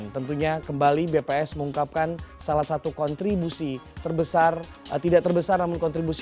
tentunya kembali bps mengungkapkan salah satu kontribusi terbesar tidak terbesar namun kontribusi